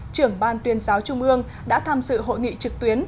trưởng ban tuyên giáo trung ương đã tham dự hội nghị trực tuyến